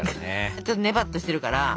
ちょっとねばっとしてるから。